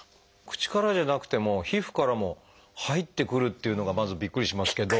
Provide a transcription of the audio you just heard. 口からじゃなくても皮膚からも入ってくるっていうのがまずびっくりしますけど。